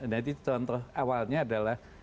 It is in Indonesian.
nanti contoh awalnya adalah